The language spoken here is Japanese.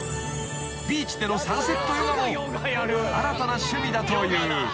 ［ビーチでのサンセットヨガも新たな趣味だという］